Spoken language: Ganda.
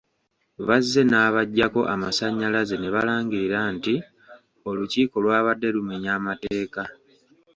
Bazze nebaggyako amasannyalaze ne balangirira nti olukiiko lwabadde lumenya amateeka.